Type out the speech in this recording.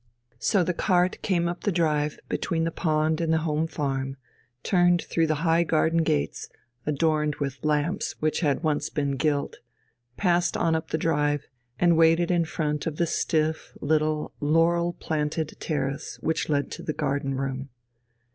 So the cart came up the drive between the pond and the home farm, turned through the high garden gates, adorned with lamps which had once been gilt, passed on up the drive and waited in front of the stiff little laurel planted terrace which led to the garden room.